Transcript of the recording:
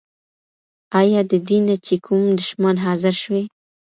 آيا ددينه چې کوم دشمن حاضر شوی؟